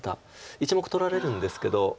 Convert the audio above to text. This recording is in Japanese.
１目取られるんですけど。